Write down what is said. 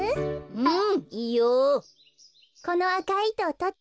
うん。